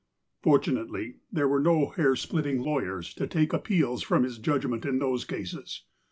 Fortunately, there were no hair splitting lawyers to take appeals from his judgment in those cases.